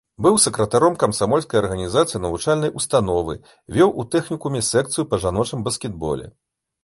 Быў сакратаром камсамольскай арганізацыі навучальнай установы, вёў у тэхнікуме секцыю па жаночым баскетболе.